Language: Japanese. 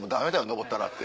登ったらって。